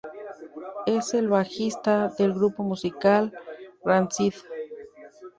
Es el bajista del grupo musical Rancid.